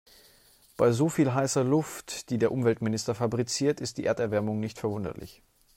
Bei so viel heißer Luft, die der Umweltminister fabriziert, ist die Erderwärmung nicht verwunderlich.